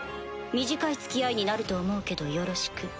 短い付き合いになると思うけどよろしく。